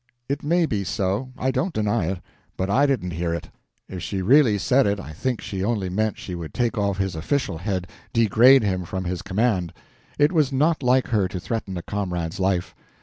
It may be so; I don't deny it; but I didn't her it. If she really said it I think she only meant she would take off his official head—degrade him from his command. It was not like her to threaten a comrade's life.